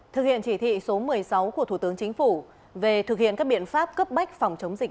thực hiện chỉ thị số một mươi sáu của thủ tướng chính phủ về thực hiện các biện pháp cấp bách phòng chống dịch